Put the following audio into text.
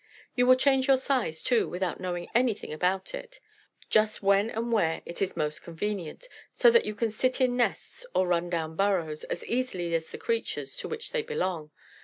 You will change your size, too, without knowing anything about it, just when and where it is most convenient, so that you can sit in nests, or run down burrows, as easily as the creatures to which they belong.